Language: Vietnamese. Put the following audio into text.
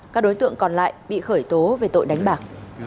các đối tượng còn lại bị khởi tố về tội đánh bạc